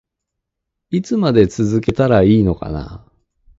いつまでこれを続けたらいいのか